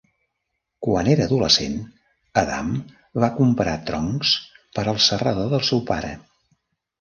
Quan era adolescent, Adam va comprar troncs per al serrador del seu pare.